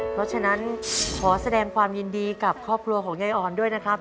เพราะฉะนั้นขอแสดงความยินดีกับครอบครัวของยายอ่อนด้วยนะครับ